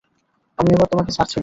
আমি এবার তোমাকে ছাড়ছি না।